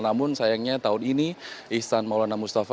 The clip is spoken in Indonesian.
namun sayangnya tahun ini ihsan maulana mustafa